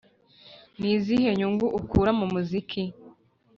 Ni izihe nyungu ukura mu muziki?